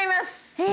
え。